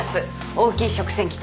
大きい食洗機とか。